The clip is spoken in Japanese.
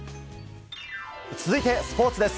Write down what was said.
続いてスポーツです。